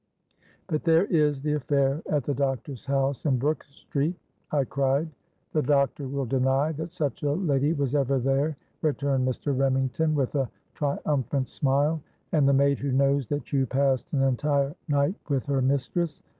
'—'But there is the affair at the doctor's house in Brook Street,' I cried.—'The doctor will deny that such a lady was ever there,' returned Mr. Remington, with a triumphant smile.—'And the maid who knows that you passed an entire night with her mistress?'